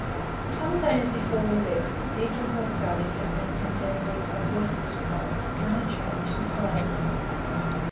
Some days before we left, Eagle Hawk Gully had been condemned as a "worthless place," and a change decided on.